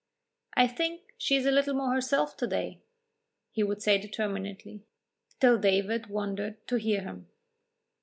"I think she is a little more herself to day," he would say determinedly, till David wondered to hear him.